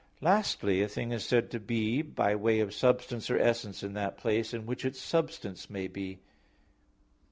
Lastly, a thing is said to be by way of substance or essence in that place in which its substance may be.